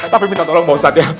tapi minta tolong pak ustadz ya